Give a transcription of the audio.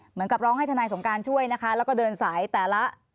เหมือนกับล้องให้ธนายสงการช่วยนะคะแล้วก็เดินสายแต่ละหน่วยงาน